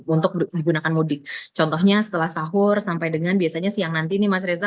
untuk digunakan mudik contohnya setelah sahur sampai dengan biasanya siang nanti nih mas reza